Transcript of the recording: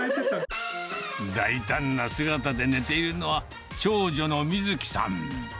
大胆な姿で寝ているのは、長女の瑞紀さん。